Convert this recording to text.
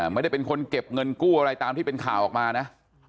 ไม่ได้เป็นคนเก็บเงินกู้อะไรตามที่เป็นข่าวออกมานะ